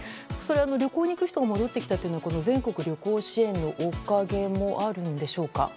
旅行に行く人が戻ってきたというのは全国旅行支援のおかげもあるんでしょうか？